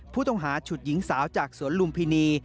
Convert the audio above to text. ผู้ต้องหาชุดหญิงสาวจากสวนลุมพินี